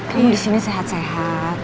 kamu disini sehat sehat